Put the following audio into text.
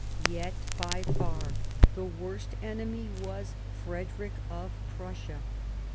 Yet by far the worst enemy was Frederick of Prussia.